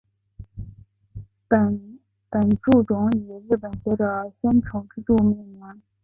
本树种以日本学者森丑之助命名。